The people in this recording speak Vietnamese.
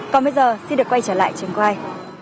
còn bây giờ xin được quay trở lại trường quay